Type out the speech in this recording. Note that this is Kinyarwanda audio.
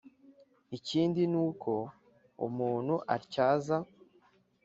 Ikindi ni ko n umuntu atyaza